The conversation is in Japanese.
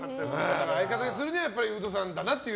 相方にするにはウドさんだなっていう？